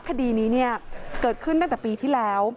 คดีนี้เกิดขึ้นตั้งแต่ปีที่แล้ว